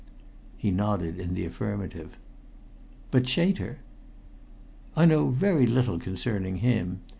He nodded in the affirmative. "But Chater?" "I know very little concerning him.